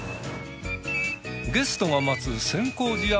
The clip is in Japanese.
ゲストが待つ千光寺山